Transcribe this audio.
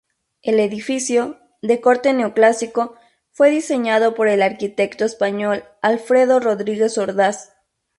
El edificio, de corte neoclásico, fue diseñado por el arquitecto español Alfredo Rodríguez Ordaz.